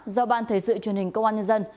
do ban thể sự truyền hình công an nhân dân